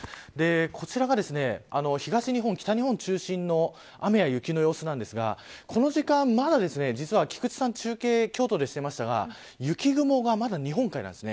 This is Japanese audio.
こちらが東日本、北日本中心の雨や雪の様子なんですがこの時間、まだ菊池さん中継しましたが雪雲が、まだ日本海なんですね。